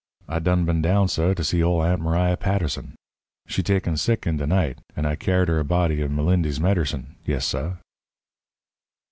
"I done been down, suh, to see ol' Aunt M'ria Patterson. She taken sick in de night, and I kyar'ed her a bottle of M'lindy's medercine. Yes, suh."